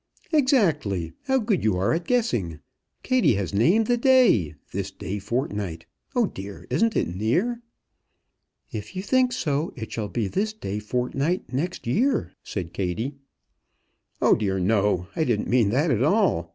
"Exactly. How good you are at guessing! Kattie has named the day. This day fortnight. Oh dear, isn't it near?" "If you think so, it shall be this day fortnight next year," said Kattie. "Oh dear no! I didn't mean that at all.